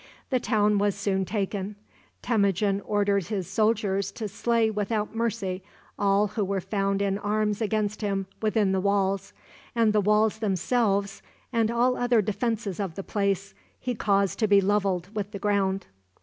The town was soon taken. Temujin ordered his soldiers to slay without mercy all who were found in arms against him within the walls, and the walls themselves, and all the other defenses of the place, he caused to be leveled with the ground.